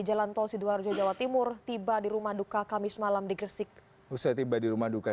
jalan tol sidoarjo jawa timur tiba di rumah duka kamis malam di gresik usai tiba di rumah duka